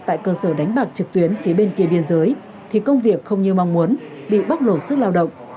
tại cơ sở đánh bạc trực tuyến phía bên kia biên giới thì công việc không như mong muốn bị bóc lột sức lao động